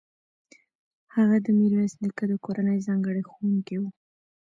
هغه د میرویس نیکه د کورنۍ ځانګړی ښوونکی و.